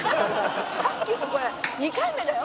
「さっきもこれ２回目だよ？